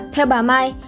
theo bà mai